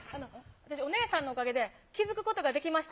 私、お姉さんのおかげで気付くことができました。